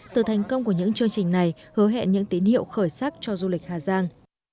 từ thành công của những chương trình này hứa hẹn những tín hiệu khởi sắc cho du lịch hà giang